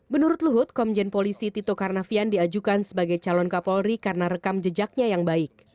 menurut luhut komjen polisi tito karnavian diajukan sebagai calon kapolri karena rekam jejaknya yang baik